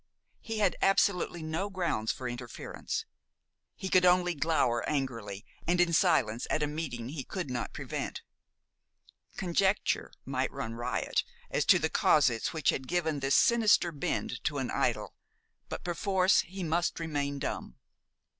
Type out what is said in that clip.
He had absolutely no grounds for interference. He could only glower angrily and in silence at a meeting he could not prevent. Conjecture might run riot as to the causes which had given this sinister bend to an idyl, but perforce he must remain dumb.